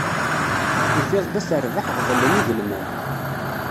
Tufiḍ-d at rbaḥ ɣeḍlen igelman.